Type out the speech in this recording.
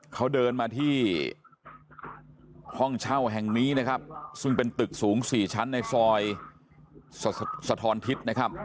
เขาเดินมาที่ห้องเช่าแห่งนี้นะครับซึ่งเป็นตึกสูง๔ชั้นในซอยสะทอนทิศนะครับ